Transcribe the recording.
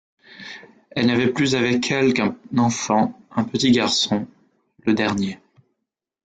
Elle n’avait plus avec elle qu’un enfant, un petit garçon, le dernier.